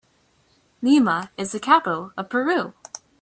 Lima is the capital of Peru.